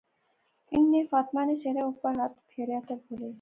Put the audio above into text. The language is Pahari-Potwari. انیں فاطمہ نے سرے اوپر ہتھ پھیریا تہ بولے